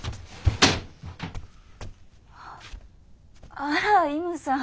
あらイムさん